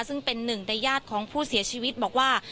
ซึ่งเป็นหนึ่งในญาติของผู้เสียชีวิตบอกว่า